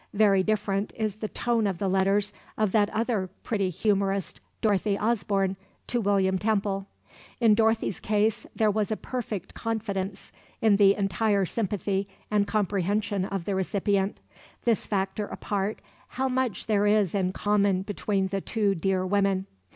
Very different is the tone of the letters of that other pretty humourist, Dorothy Osborne, to William Temple. In Dorothy's case there was a perfect confidence in the entire sympathy and comprehension of the recipient. This factor apart, how much there is in common between the two dear women.